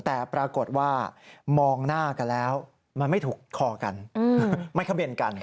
แต่ปรากฏว่ามองหน้ากันแล้วมันไม่ถูกคอกันไม่ขบวนกัน